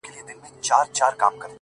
دي ښاد سي د ځواني دي خاوري نه سي؛